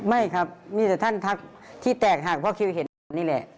ไม่ครับมีแต่ท่านทักที่แตกหักเพราะคิวเห็นหมดนี่แหละ